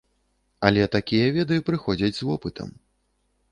Але такія веды прыходзяць з вопытам.